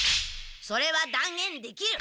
それはだん言できる！